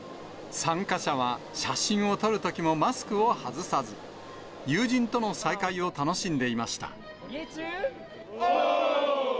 参加者は写真を撮るときもマスクを外さず、友人との再会を楽しんでいました。